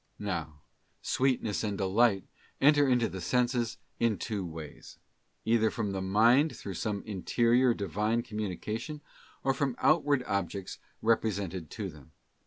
'* Now, sweetness and delight enter into the senses in two ways : either from the mind through some interior Divine com munication, or from outward objects represented to them.